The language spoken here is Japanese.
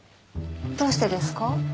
どうしてですか？